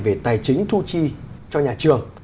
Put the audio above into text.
về tài chính thu chi cho nhà trường